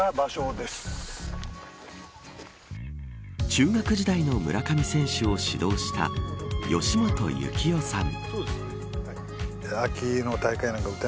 中学時代の村上選手を指導した吉本幸夫さん。